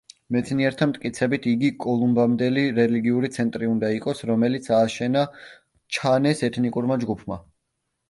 მეცნიერთა მტკიცებით იგი კოლუმბამდელი რელიგიური ცენტრი უნდა იყოს, რომელიც ააშენა ჩანეს ეთნიკურმა ჯგუფმა.